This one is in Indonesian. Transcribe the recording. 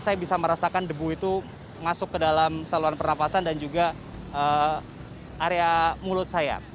saya bisa merasakan debu itu masuk ke dalam saluran pernafasan dan juga area mulut saya